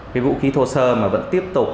cái vũ khí thô sơ mà vẫn tiếp tục